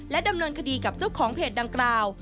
ดำเนินคดีกับเจ้าของเพจดังกล่าว